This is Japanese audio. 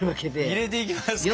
入れていきますかこの。